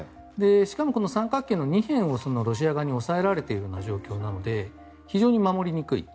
しかも、この三角形の２辺をロシア側に押さえられている状況なので非常に守りにくい。